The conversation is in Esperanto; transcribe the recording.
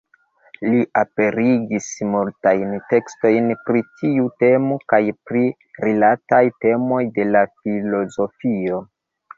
Li aperigis multajn tekstojn pri tiu temo kaj pri rilataj temoj de la filozofio.